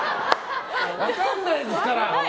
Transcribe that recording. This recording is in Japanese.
分かんないですから！